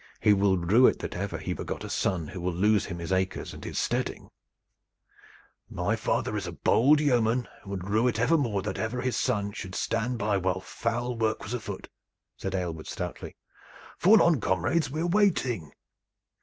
"He will rue it that ever he begot a son who will lose him his acres and his steading." "My father is a bold yeoman, and would rue it evermore that ever his son should stand by while foul work was afoot," said Aylward stoutly. "Fall on, comrades! We are waiting."